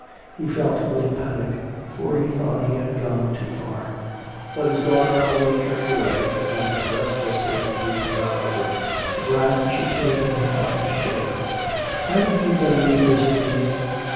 He felt a little panic, for he thought he had gone too far. But his daughter only turned away and restlessly moved about the room. At last she came to her father's chair: "Hadn't you better leave this to me?"